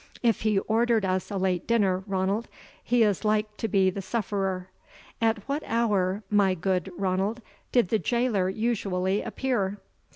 If he ordered us a late dinner, Ranald, he is like to be the sufferer; at what hour, my good Ranald, did the jailor usually appear?"